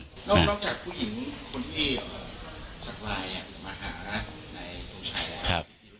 มาหาในชูชายแหละที่ที่รู้จัก